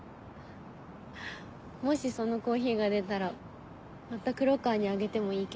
もしそのコーヒーが出たらまた黒川にあげてもいいけど。